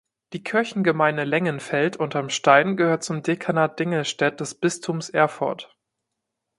Die Kirchengemeinde Lengenfeld unterm Stein gehört zum Dekanat Dingelstädt des Bistums Erfurt.